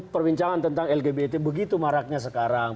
perbincangan tentang lgbt begitu maraknya sekarang